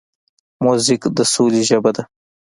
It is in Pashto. موزیک د سولې ژبه ده.